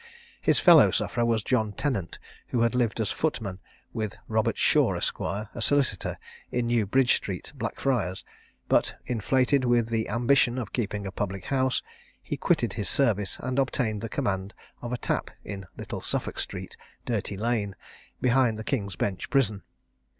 His fellow sufferer was John Tennant, who had lived as footman with Robert Shaw, Esq. a solicitor, in New Bridge street, Blackfriars; but, inflated with the ambition of keeping a public house, he quitted his service, and obtained the command of a tap in Little Suffolk street, Dirty lane, behind the King's Bench Prison.